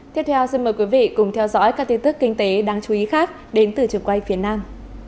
tiếp theo xin mời quý vị cùng theo dõi các tin tức kinh tế đáng chú ý khác đến từ trường quay phía nam